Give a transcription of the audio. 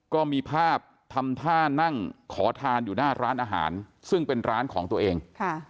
ก็มีภาพทำท่านั่งขอทานอยู่หน้าร้านอาหารซึ่งเป็นร้านของตัวเอง